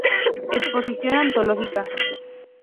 Exposición Antológica.